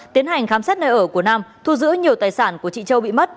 tiến hành khám xét nơi ở của nam thu giữ nhiều tài sản của chị châu bị mất